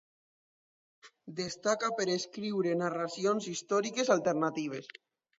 Destaca per escriure narracions històriques alternatives.